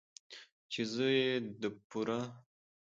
،چې زه يې د پوره